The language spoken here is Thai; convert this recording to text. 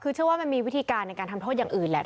คือเชื่อว่ามันมีวิธีการในการทำโทษอย่างอื่นแหละ